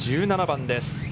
１７番です。